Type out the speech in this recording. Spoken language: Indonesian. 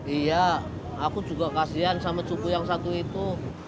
iya aku juga kasihan sama cukup yang satu itu